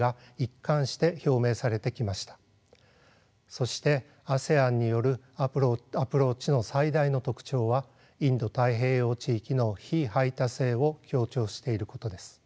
そしてＡＳＥＡＮによるアプローチの最大の特徴はインド太平洋地域の非排他性を強調していることです。